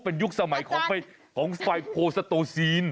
เป็นยุคสมัยของไฟล์โพลสโตซีน